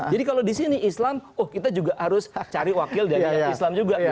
jadi kalau disini islam oh kita juga harus cari wakil dari islam juga